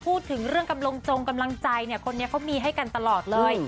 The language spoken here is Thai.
พูดถึงเรื่องกำลังจงกำลังใจเนี่ยคนนี้เขามีให้กันตลอดเลย